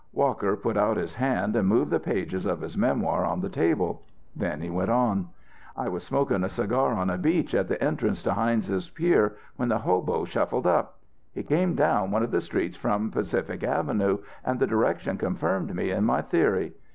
Walker put out his hand and moved the pages of his memoir on the table. Then he went on: "I was smoking a cigar on a bench at the entrance to Heinz's Pier when the hobo shuffled up. He came down one of the streets from Pacific Avenue, and the direction confirmed me in my theory.